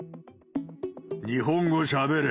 日本語しゃべれ。